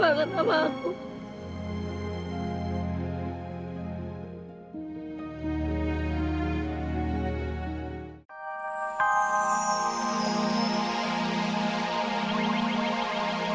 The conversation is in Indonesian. aku masih sendiri